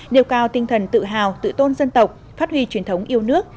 nêu cao tinh thần tự hào tự tôn dân tộc phát huy truyền thống yêu nước